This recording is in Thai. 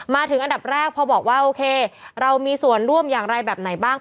มาถึงอันดับแรกพอบอกว่าโอเคเรามีส่วนร่วมอย่างไรแบบไหนบ้าง